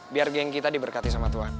biar geng kita diberkati sama tuhan